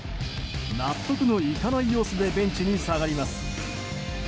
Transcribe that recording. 納得のいかない様子でベンチに下がります。